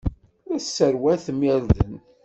La tesserwatem irden.